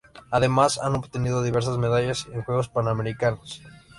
Además han obtenido diversas medalla en Juegos Panamericanos.